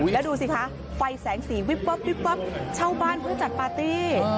แล้วดูสิคะไฟแสงสีวิบวับวิบวับเช่าบ้านเพื่อจัดปาร์ตี้